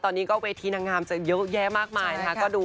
ตอนนี้ก็เวทีนางงามจะเยอะแยะมากมายนะคะ